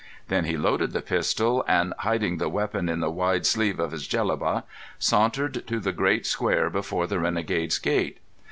Then he loaded the pistol, and hiding the weapon in the wide sleeve of his jellaba, sauntered to the great square before the Renegade's Gate.